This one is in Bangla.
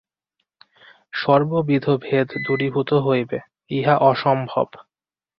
সর্ববিধ ভেদ দূরীভূত হইবে, ইহা অসম্ভব।